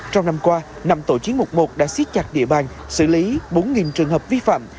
trong năm qua năm tội chiến một một đã xiết chặt địa bàn xử lý bốn trường hợp vi phạm